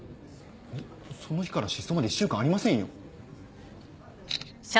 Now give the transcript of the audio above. その日から失踪まで１週間ありませんよ。